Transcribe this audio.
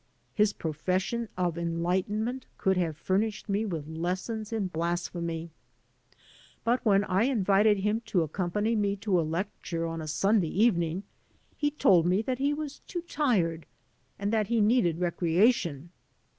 His profession of enlightenment could have furnished me with lessons in blasphemy. But when I invited him to accompany me to a lecture on a Sunday evening^e told me that he was too tired and that he needed recreation.